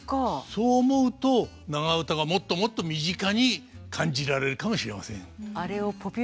そう思うと長唄がもっともっと身近に感じられるかもしれません。